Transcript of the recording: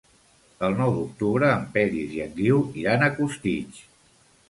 El nou d'octubre en Peris i en Guiu iran a Costitx.